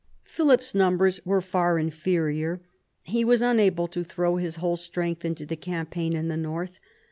Philip's numbers were far inferior. He was unable to throw his whole strength into the campaign in the north.